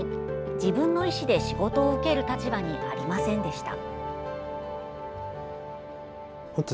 自分の意志で仕事を受ける立場にありませんでした。